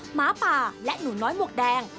หมาป่าและหนูน้อยหมวกแดง